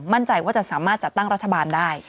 มั่นใจว่าจะสามารถจัดตั้งรัฐบาลได้